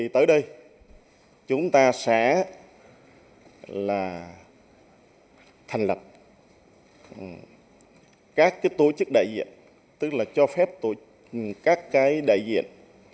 tới đây chúng ta sẽ thành lập các tổ chức đại diện tức là cho phép các đại diện